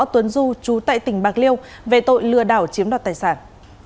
võ tuấn du trú tại tỉnh bạc liêu về tội lừa đảo chiếm đoạt tài sản